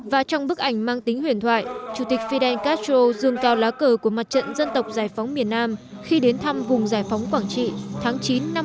và trong bức ảnh mang tính huyền thoại chủ tịch fidel castro dường cao lá cờ của mặt trận dân tộc giải phóng miền nam khi đến thăm vùng giải phóng quảng trị tháng chín năm một nghìn chín trăm bảy mươi ba